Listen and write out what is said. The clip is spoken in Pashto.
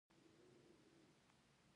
ته چېرته يې